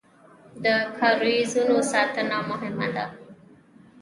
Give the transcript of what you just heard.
د کاریزونو ساتنه مهمه ده